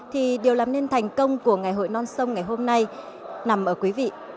thì điều làm nên thành công của ngày hội non sông ngày hôm nay nằm ở quý vị